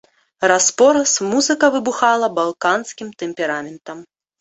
Раз-пораз музыка выбухала балканскім тэмпераментам!